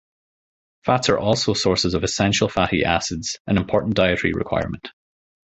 Fats are also sources of essential fatty acids, an important dietary requirement.